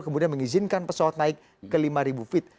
kemudian mengizinkan pesawat naik ke lima feet